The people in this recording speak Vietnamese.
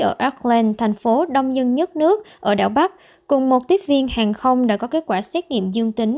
ở auckland thành phố đông dân nhất nước ở đảo bắc cùng một tiếp viên hàng không đã có kết quả xét nghiệm dương tính